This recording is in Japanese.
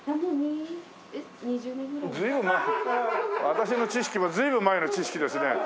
私の知識も随分前の知識ですね。